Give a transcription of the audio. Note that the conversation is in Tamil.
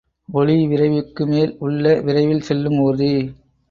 ஒலி விரைவுக்கு மேல் உள்ள விரைவில் செல்லும் ஊர்தி.